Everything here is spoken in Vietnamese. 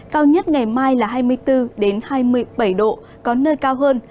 cao nhất ngày mai là hai mươi bốn hai mươi bảy độ có nơi cao hơn